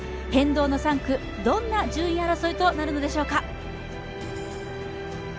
変動の３区、どんな順位争いとなるのでしょうか。